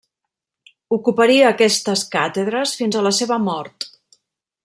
Ocuparia aquestes càtedres fins a la seva mort.